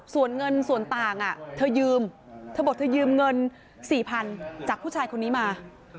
ส่วนเงินส่วนต่างเธอยืมเธอบอกเธอยืมเงิน๔๐๐๐จากผู้ชายคนนี้มา